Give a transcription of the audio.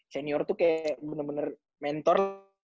senior tuh kayak bener bener mentor